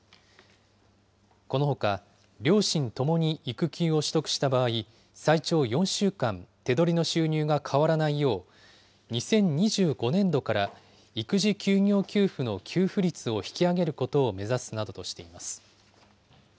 このほか、両親ともに育休を取得した場合、最長４週間、手取りの収入が変わらないよう、２０２５年度から育児休業給付の給付率を引き上げることを目指すなどとしています。